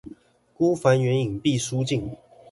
孤帆遠影畢書盡